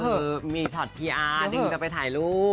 เพลงนี้มีช็อตพีอาร์ดึงจะไปถ่ายรูป